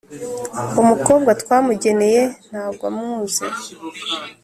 umukobwa twamugeneye ntago amuzi